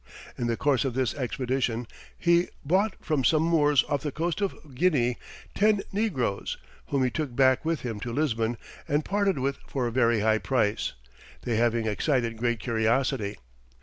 In the course of this expedition, he bought from some Moors off the coast of Guinea, ten negroes, whom he took back with him to Lisbon and parted with for a very high price, they having excited great curiosity.